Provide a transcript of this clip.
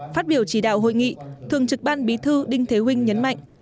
phát biểu chỉ đạo hội nghị thường trực ban bí thư đinh thế huynh nhấn mạnh